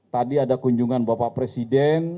tadi ada kunjungan bapak presiden